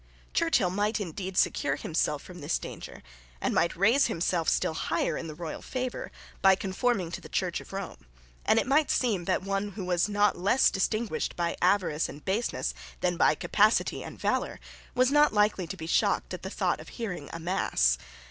Churchill might indeed secure himself from this danger, and might raise himself still higher in the royal favour, by conforming to the Church of Rome; and it might seem that one who was not less distinguished by avarice and baseness than by capacity and valour was not likely to be shocked at the thought of hearing amass.